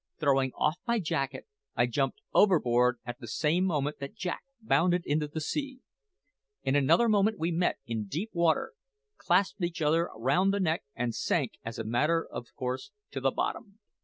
Throwing off my jacket, I jumped overboard at the same moment that Jack bounded into the sea. In other moment we met in deep water, clasped each other round the neck, and sank, as a matter of course, to the bottom!